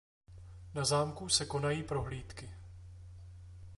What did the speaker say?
Na zámku se konají prohlídky.